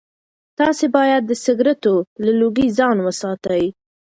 تاسي باید د سګرټو له لوګي ځان وساتئ.